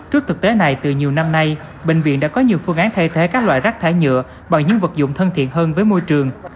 trước thực tế này từ nhiều năm nay bệnh viện đã có nhiều phương án thay thế các loại rác thải nhựa bằng những vật dụng thân thiện hơn với môi trường